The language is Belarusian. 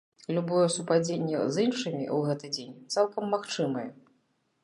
Любое супадзенне з іншымі ў гэты дзень цалкам магчымае.